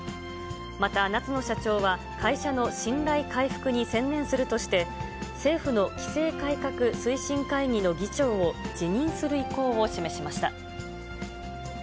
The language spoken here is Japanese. また、夏野社長は、会社の信頼回復に専念するとして、政府の規制改革推進会議の議長を辞任する意向を示しました。